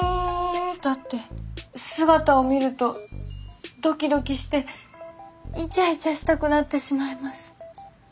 だって姿を見るとドキドキしてイチャイチャしたくなってしまいます。